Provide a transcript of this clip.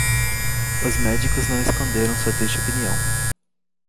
Os médicos não esconderam sua triste opinião.